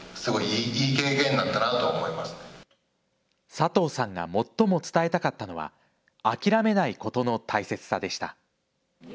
佐藤さんが最も伝えたかったのは諦めないことの大切さでした。